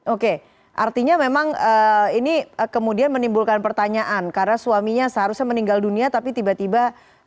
oke artinya memang ini kemudian menimbulkan pertanyaan karena suaminya seharusnya meninggal dunia tapi tiba tiba